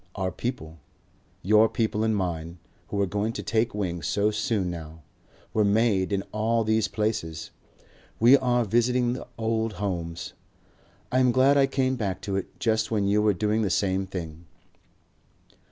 Our people, your people and mine, who are going to take wing so soon now, were made in all these places. We are visiting the old homes. I am glad I came back to it just when you were doing the same thing."